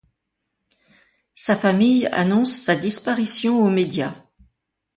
Sa famille annonce sa disparition aux médias.